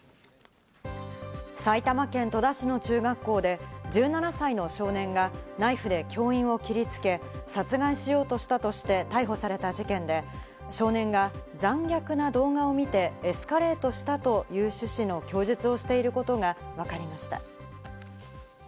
埼玉県戸田市の中学校で１７歳の少年がナイフで教員を切りつけ殺害しようとしたとして逮捕された事件で、少年が残虐な動画を見てエスカレートしたという趣旨の供述をしていることがわかりました。